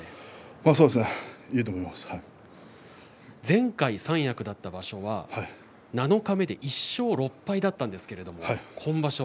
前回三役だった場所は七日目で１勝６敗だったんですけれど今場所